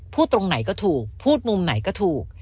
ตรงไหนก็ถูกพูดมุมไหนก็ถูก